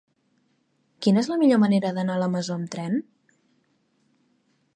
Quina és la millor manera d'anar a la Masó amb tren?